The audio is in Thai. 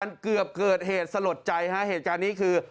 มันเกือบเกิดเหตุสลดใจฮะเหตุการณ์นี้คือ